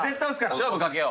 勝負かけよう。